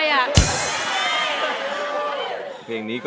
ไว้